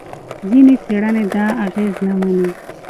ځینې څېړنې دا اغېز نه مني.